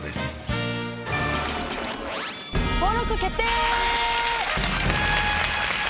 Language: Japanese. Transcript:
登録決定！